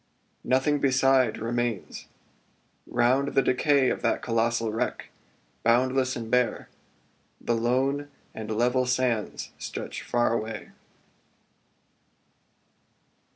Nothing beside remains. Round the decay Of that colossal wreck, boundless and bare The lone and level sands stretch far away.